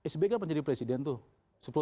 sb kan menjadi presiden tuh